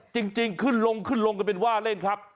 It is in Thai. จริงขึ้นลงก็เป็นว่าเล่นครับ